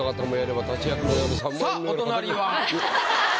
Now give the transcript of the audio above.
さぁお隣は。